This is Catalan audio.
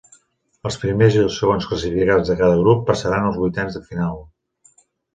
Els primers i segons classificats de cada grup passaran als vuitens de final.